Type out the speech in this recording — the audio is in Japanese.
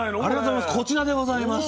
こちらでございます。